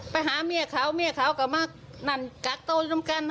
ไปหาเมียเขาเมียเขาก็มานั่นกักโต้น้ำกั้น